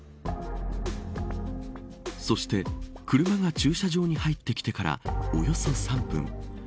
そして車が駐車場に入ってきてからおよそ３分。